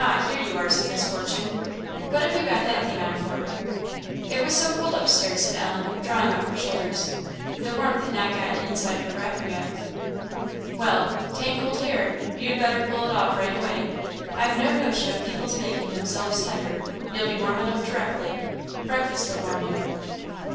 here you are," said Miss Fortune. "What have you got that thing on for?" "It was so cold up stairs," said Ellen, drawing up her shoulders. The warmth had not got inside of her wrapper yet. "Well, 'tain't cold here; you'd better pull it off right away. I've no notion of people's making themselves tender. You'll be warm enough directly. Breakfast'll warm you."